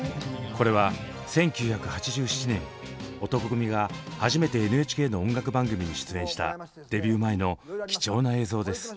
これは１９８７年男闘呼組が初めてＮＨＫの音楽番組に出演したデビュー前の貴重な映像です。